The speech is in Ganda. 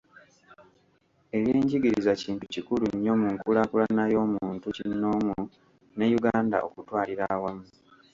Ebyenjigiriza kintu kikulu nnyo mu nkulaakulana y'omuntu kinnoomu ne Uganda okutwalira awamu.